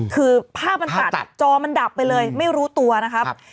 คือภาพมันตัดจอมันดับไปเลยไม่รู้ตัวนะครับ